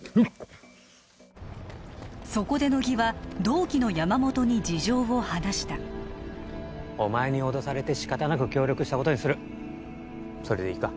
そこで乃木は同期の山本に事情を話したお前に脅されて仕方なく協力したことにするそれでいいか？